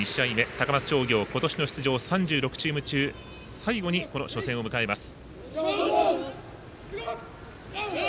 高松商業、今年の出場３６チーム中、最後にこの初戦を迎えます。